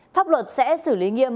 pháp luật sẽ xử lý nghiêm